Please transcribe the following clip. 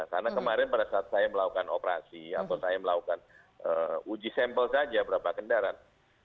karena kemarin pada saat saya melakukan operasi atau saya melakukan uji sampel saja berapa kendaraan